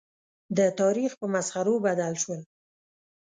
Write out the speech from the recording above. د تاریخ په مسخرو بدل شول.